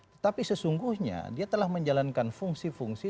tetapi sesungguhnya dia telah menjalankan fungsi fungsi